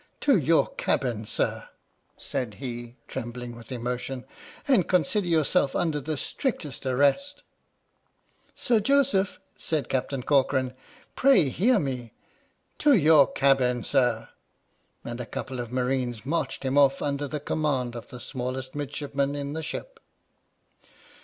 "To your cabin, Sir," said he, trembling with emotion, "and consider yourself under the strictest arrest." " Sir Joseph," said Captain Corcoran, "pray hear me—" " To your cabin, Sir !" And a couple of marines marched him off under the command of the smallest midshipman in the ship.